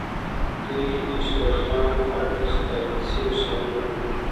دوی هشترخان او تساریتسین ښارونه ونیول.